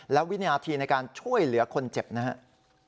และวินาทีในการช่วยเหลือคนเจ็บนะครับ